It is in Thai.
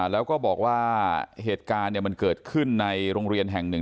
แล้วก็บอกว่าเหตุการณ์มันเกิดขึ้นในโรงเรียนแห่งหนึ่ง